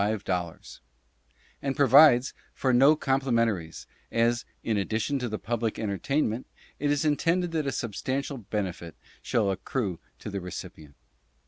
00, And provides for no complimentaries, as, in addition to the public entertain ment, it is intended that a substantial benefit shall accrue to the recipient.